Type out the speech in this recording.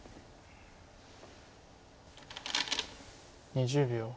２０秒。